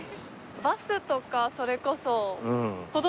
バスとかそれこそ。